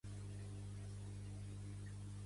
A bones campanes, el millor campaner que les toque